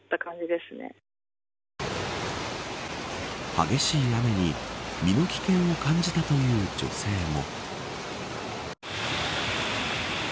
激しい雨に身の危険を感じたという女性も。